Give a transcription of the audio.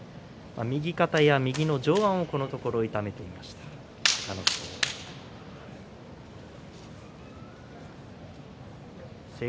右肩や右の上腕をこのところ痛めていました隆の勝です。